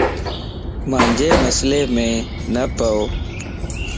مانجي مسليم نه پئو